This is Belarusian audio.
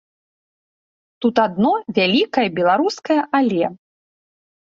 Тут адно вялікае беларускае але!